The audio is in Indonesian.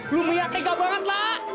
lu miyatega banget lah